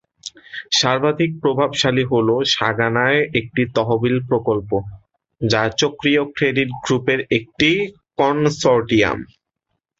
সর্বাধিক প্রভাবশালী হল সাগানায় একটি তহবিল প্রকল্প, যা চক্রীয় ক্রেডিট গ্রুপের একটি কনসোর্টিয়াম।